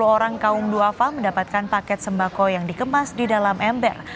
dua ratus lima puluh orang kaum duafa mendapatkan paket sembako yang dikemas di dalam ember